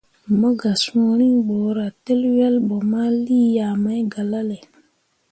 Mo gah sũũ riŋ borah tǝl wel bo ma lii yah mai galale.